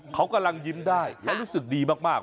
เขากำลังยิ้มได้และรู้สึกดีมาก